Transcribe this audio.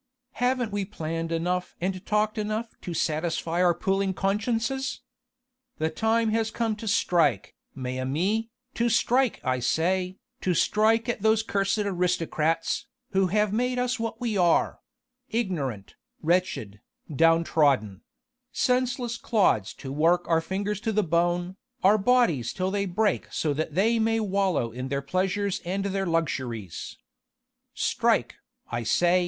Haven't we planned enough and talked enough to satisfy our puling consciences? The time has come to strike, mes amis, to strike I say, to strike at those cursed aristocrats, who have made us what we are ignorant, wretched, downtrodden senseless clods to work our fingers to the bone, our bodies till they break so that they may wallow in their pleasures and their luxuries! Strike, I say!"